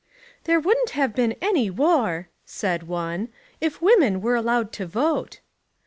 "There wouldn't have been any war," said one, "if women were allowed to vote."